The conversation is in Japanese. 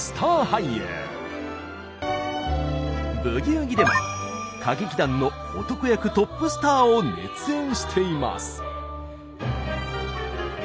「ブギウギ」でも歌劇団の男役トップスターを熱演しています。